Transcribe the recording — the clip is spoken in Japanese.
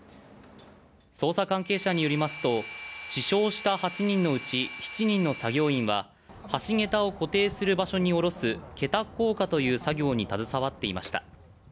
捜査関係者によりますと、死傷した８人のうち７人の作業員は、橋げたを固定する場所におろす桁降下という作業に携わっていました。